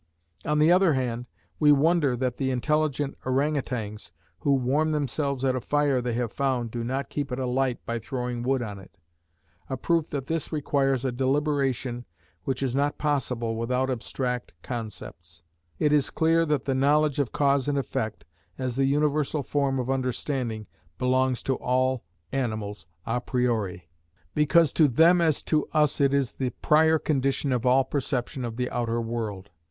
On the other hand, we wonder that the intelligent Orang outangs, who warm themselves at a fire they have found, do not keep it alight by throwing wood on it; a proof that this requires a deliberation which is not possible without abstract concepts. It is clear that the knowledge of cause and effect, as the universal form of understanding, belongs to all animals a priori, because to them as to us it is the prior condition of all perception of the outer world.